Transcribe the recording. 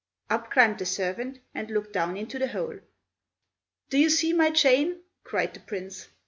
Up climbed the servant, and looked down into the hole. "Do you see my chain?" cried the Prince.